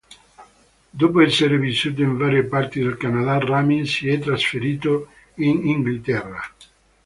Dopo essere vissuto in varie parti del Canada, Ramin si è trasferito in Inghilterra.